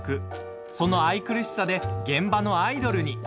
その愛くるしさで現場のアイドルに。